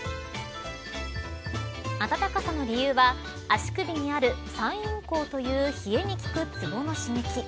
温かさの理由は足首にある三陰交という冷えに効くツボの刺激。